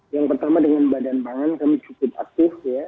yang pertama dengan badan pangan kami cukup aktif ya